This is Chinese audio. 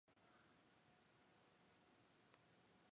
他的政治教父是后来的德国共产党国会议员。